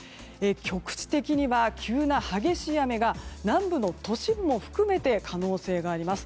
局地的には急な激しい雨が南部の都市部も含めて可能性があります。